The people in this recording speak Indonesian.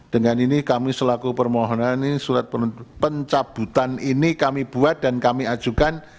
dengan ini kami selaku permohonan surat pencabutan ini kami buat dan kami ajukan